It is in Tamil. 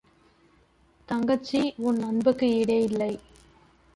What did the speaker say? தங்கச்சி உன் அன்புக்கு ஈடே இல்லை.